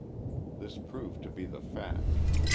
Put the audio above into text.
This proved to be the fact.